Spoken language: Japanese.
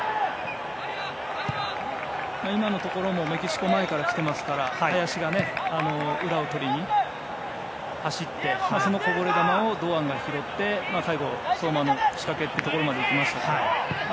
今のところもメキシコ、前から来ていますから林が、裏をとりに走ってそのこぼれ球を堂安が拾って最後、相馬の仕掛けというところまでいきましたし。